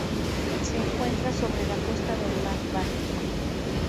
Se encuentra sobre la costa del mar Báltico.